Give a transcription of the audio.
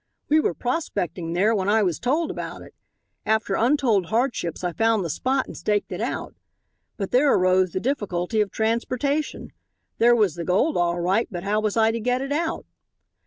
We were prospecting there when I was told about it. After untold hardships I found the spot and staked it out. But there arose the difficulty of transportation. There was the gold all right, but how was I to get it out?"